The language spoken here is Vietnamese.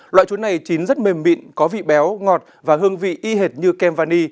loại chuối này chín rất mềm mịn có vị béo ngọt và hương vị y hệt như kem vani